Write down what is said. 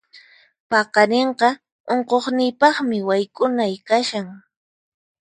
Paqarinqa unquqniypaqmi wayk'unay kashan.